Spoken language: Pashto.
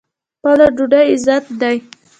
خپله ډوډۍ عزت دی.